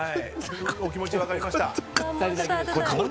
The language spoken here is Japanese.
お気持ち分かりました。